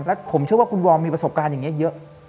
และผมเชื่อว่าคุณวอร์มมีประสบการณ์อย่างนี้เยอะ